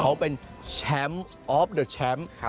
เขาเป็นแชมป์ออฟเดอร์แชมป์